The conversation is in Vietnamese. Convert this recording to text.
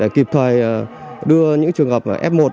để kịp thời đưa những trường hợp f một